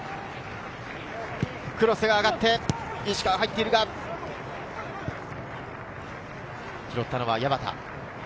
クロスが上がって、石川、入っているが、拾ったのは矢端。